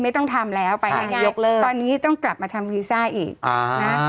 ไม่ต้องทำแล้วไปง่ายยกเลิกตอนนี้ต้องกลับมาทำวีซ่าอีกอ่านะ